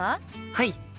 はい。